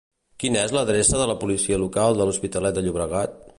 Quina és l'adreça de la policia local de l'Hospitalet de Llobregat?